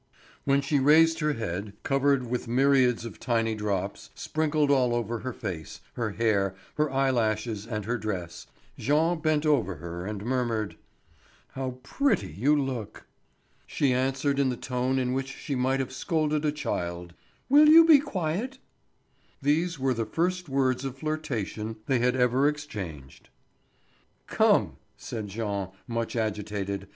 When she raised her head, covered with myriads of tiny drops, sprinkled all over her face, her hair, her eye lashes, and her dress, Jean bent over her and murmured: "How pretty you look!" She answered in the tone in which she might have scolded a child: "Will you be quiet?" These were the first words of flirtation they had ever exchanged. "Come," said Jean, much agitated.